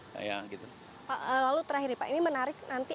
lalu terakhir nih pak ini menarik nanti